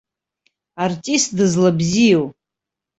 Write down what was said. Артист дызлабзиоу.